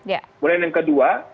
kemudian yang kedua